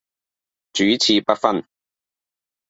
主次不分